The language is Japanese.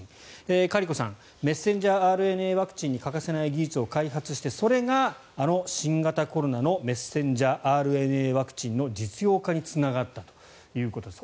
メッセンジャーＲＮＡワクチンに欠かせない技術を開発してそれが、あの新型コロナのメッセンジャーＲＮＡワクチンの実用化につながったということです。